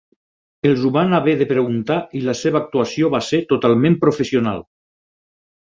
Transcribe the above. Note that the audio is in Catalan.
Els ho van haver de preguntar i la seva actuació va ser totalment professional.